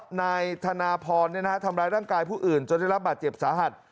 นายธนาพรทำร้ายร่างกายผู้อื่นจนได้รับบาดเจ็บสาหัส